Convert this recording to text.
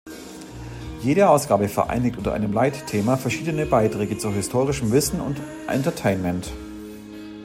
Jede Ausgabe vereinigt unter einem Leitthema verschiedene Beiträge zu historischem Wissen und Entertainment.